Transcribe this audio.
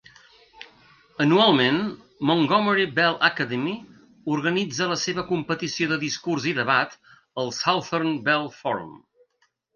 Anualment, Montgomery Bell Academy organitza la seva competició de discurs i debat, el Southern Bell Forum.